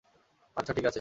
আচ্ছা, ঠিকাছে।